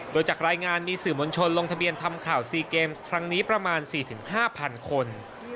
โดยจากรายงานมีสื่อมวลชนลงทะเบียนทำข่าว๔เกมส์ครั้งนี้ประมาณ๔๕๐๐๐คน